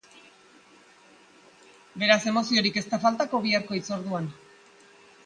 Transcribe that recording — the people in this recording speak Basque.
Beraz, emozioak ez dira faltako biharko hitzorduan.